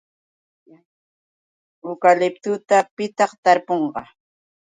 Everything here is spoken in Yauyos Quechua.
¿Ukaliptuta pitaq tarpunqa?